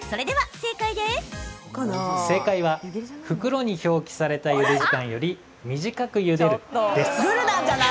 正解は袋に表記されたゆで時間より、短くゆでるです。